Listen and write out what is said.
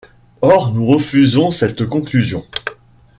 Or, nous refusons cette conclusion.